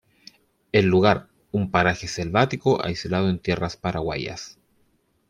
El lugar: un paraje selvático aislado en tierras paraguayas.